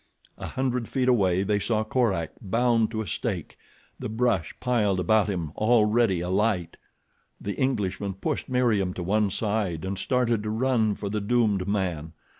A hundred feet away they saw Korak bound to a stake—the brush piled about him already alight. The Englishman pushed Meriem to one side and started to run for the doomed man.